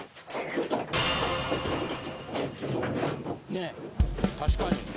ねえ確かに。